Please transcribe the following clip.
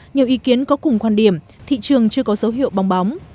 nhiều ý kiến có cùng quan điểm thị trường chưa có dấu hiệu bong bóng